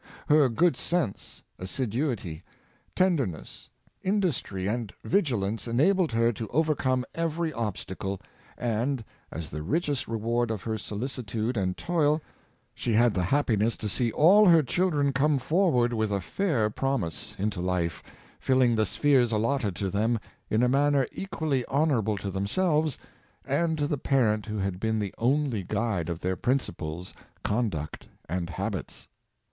Her good sense, assiduity, tenderness^ industry and vigilance enabled her to overcome every obstacle, and, as the richest reward of her solicitude and toil, she had the happiness to see all her children come forward with a fair promise into life, filling the spheres allotted to them in a manner equally honorable to themselves, and to the parent who had been the only guide of their principles, conduct and habits.